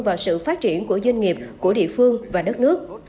vào sự phát triển của doanh nghiệp của địa phương và đất nước